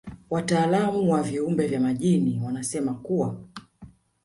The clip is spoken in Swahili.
Wataalamu wa viumbe vya majini wanasema kuwa